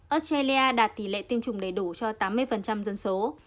australia đạt tỷ lệ tiêm chủng đầy đủ cho tám mươi dân số